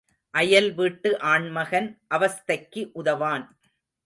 அயல் வீட்டு ஆண்மகன் அவஸ்தைக்கு உதவான்.